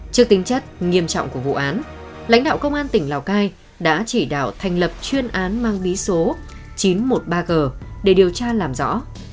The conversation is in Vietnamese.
trước tính chất nghiêm trọng của vụ án lãnh đạo công an tỉnh lào cai đã chỉ đạo thành lập chuyên án mang bí số chín trăm một mươi ba g để điều tra làm rõ